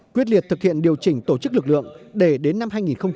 quyết liệt thực hiện điều chỉnh tổ chức lực lượng để đến năm hai nghìn hai mươi